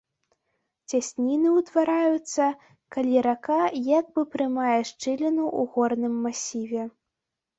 Цясніны ўтвараюцца, калі рака як бы прамывае шчыліну ў горным масіве.